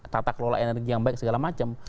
tata kelola energi yang baik segala macam